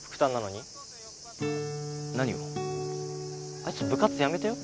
あいつ部活やめたよ